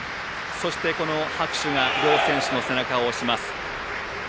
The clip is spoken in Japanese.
そして拍手が両チームの背中を押します。